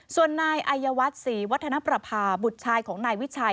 ส่วนนายอายวัฒน์ศรีวัฒนประพาบุตรชายของนายวิชัย